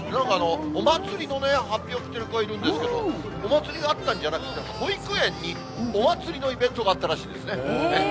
お祭りのね、はっぴを着ている子がいるんですけど、お祭りがあったんじゃなくて、保育園にお祭りのイベントがあったらしいですね。